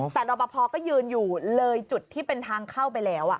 แต่รอปภก็ยืนอยู่เลยจุดที่เป็นทางเข้าไปแล้ว